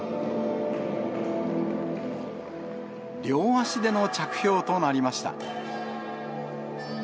両足での着氷となりました。